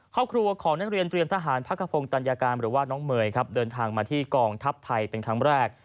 ครอบครัวของหน้าเรียนทหารพักกระพงตัญญาการหรือน้องเมยาระทางมาที่กองทัพไทเป็นครั้งแรก